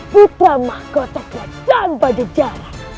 putra mahkota perancang pada jarak